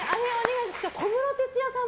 小室哲哉さん